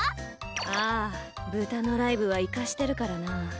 ああ豚のライブはイカしてるからな。